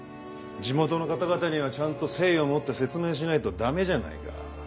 地元の方々にはちゃんと誠意を持って説明しないと駄目じゃないか。